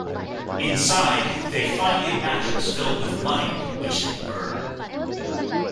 Inside, they find a mattress filled with money-which they burn.